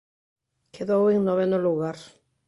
Quedou en noveno lugar.